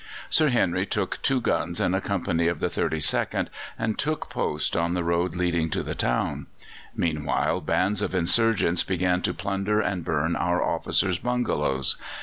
Sir Henry took two guns and a company of the 32nd, and took post on the road leading to the town. Meanwhile bands of insurgents began to plunder and burn our officers' bungalows.